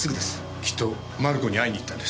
きっとマルコに会いに行ったんです。